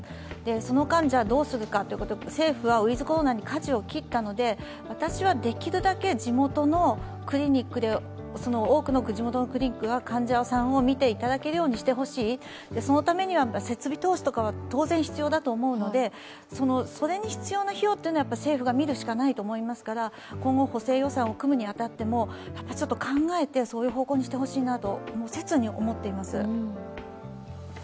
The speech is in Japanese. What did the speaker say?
その間、どうするかということを政府はウィズ・コロナにかじを切ったので私はできるだけ地元のクリニックで、多くのクリニックが患者さんを診ていただけるようにしてほしいそのためには設備投資とかは当然必要だと思うのでそれに必要な費用というのは政府がみるしかないと思いますから今後、補正予算を組むに当たっても考えてそういう方向にしてほしいなと切に思っています。